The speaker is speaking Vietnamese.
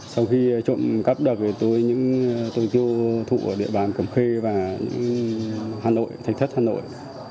sau khi trộm cắp được tôi tiêu thụ ở địa bàn cầm khê và thạch thất hà nội